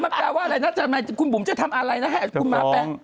มันแปลว่าอะไรนะทำไมคุณบุ๋มจะทำอะไรนะให้คุณมาแป๊ง